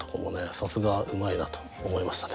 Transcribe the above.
さすがうまいなと思いましたね。